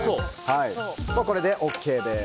これでＯＫです。